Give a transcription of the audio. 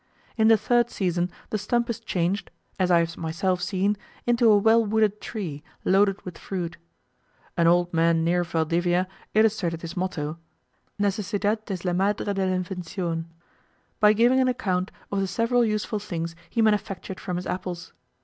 In the third season the stump is changed (as I have myself seen) into a well wooded tree, loaded with fruit. An old man near Valdivia illustrated his motto, "Necesidad es la madre del invencion," by giving an account of the several useful things he manufactured from his apples.